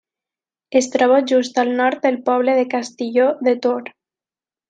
Es troba just al nord del poble de Castilló de Tor.